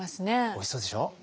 おいしそうでしょう。